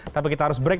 tapi kita harus break